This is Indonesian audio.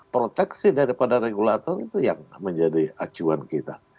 proteksi daripada regulator itu yang menjadi acuan kita